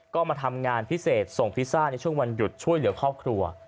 ก็มาทำงานพิเศษส่งพิซซ่าในช่วงวันหยุดช่วยเหลือครอบครัว